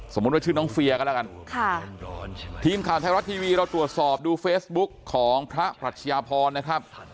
ว่าชื่อน้องเฟียก็แล้วกันค่ะทีมข่าวไทยรัฐทีวีเราตรวจสอบดูเฟซบุ๊กของพระปรัชญาพรนะครับ